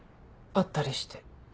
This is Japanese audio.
あったりして。